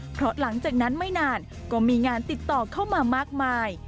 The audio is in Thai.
เพราะหลังจากนั้นไม่นานก็มีงานติดต่อเข้ามามากมาย